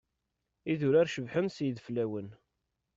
Idurar cebḥen s yideflawen.